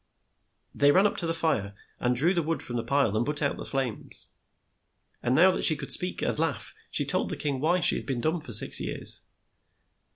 They ran up to the fire, and drew the wood from the pile, and put out the flames. And now that she could speak and laugh, she told the king why she had been dumb for six years.